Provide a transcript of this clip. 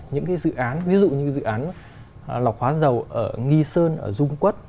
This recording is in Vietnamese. những cái dự án ví dụ như dự án lọc hóa dầu ở nghi sơn ở dung quất